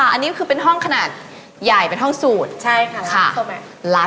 อันนี้คือเป็นห้องขนาดใหญ่เป็นห้องสูดใช่ค่ะลัฟฟอร์แมต